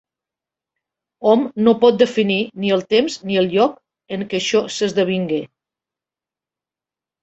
Hom no pot definir ni el temps ni el lloc en què això s'esdevingué.